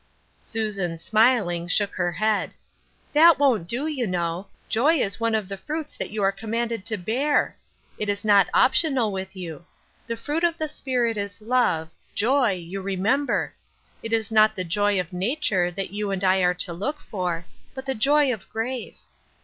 Susan, smiling, shook her head. " That won't do, you know. Joy is one of the fruits that you are commanded to bear. It is not optional with 5^ou. * The fruit of the Spirit is love '— joy — you remember. Tt is not the joy of nat ure that you and I are to look for, but the joy of grace.